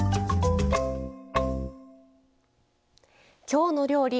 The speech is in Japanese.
「きょうの料理」